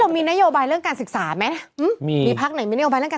เรามีนโยบายเล่นการศึกษาไหมมีภาคไหนมันถูกไปแล้ว